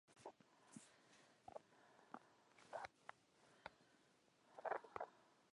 د اقتصادي پرمختګ ډول نهایتاً محدود و.